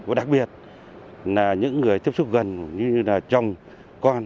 và đặc biệt là những người tiếp xúc gần như là chồng con